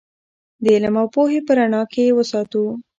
د علم او پوهې په رڼا کې یې وساتو.